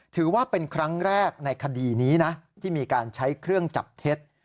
ถือว่าเป็นครั้งแรกในคดีนี้นะที่มีการใช้เครื่องจับเท็จ